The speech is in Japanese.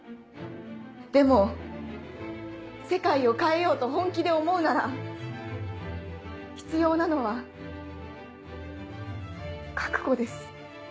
でも世界を変えようと本気で思うなら必要なのは覚悟です。